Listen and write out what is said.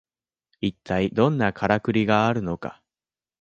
いったいどんなカラクリがあるのか